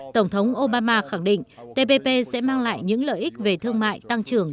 tổng thống obama khẳng định tppp sẽ mang lại những lợi ích về thương mại tăng trưởng